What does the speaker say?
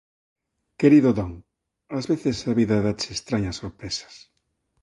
Querido Don, ás veces a vida dáche estrañas sorpresas.